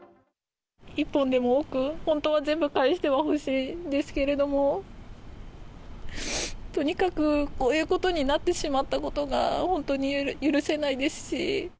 １本でも多く、本当は全部返してはほしいんですけれども、とにかくこういうことになってしまったことが、本当に許せないですし。